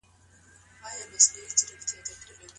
خاوند څنګه کولای سي د مېرمني زړه لاسته راوړي؟